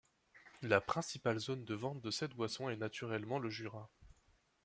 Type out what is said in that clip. La principale zone de vente de cette boisson est naturellement le Jura.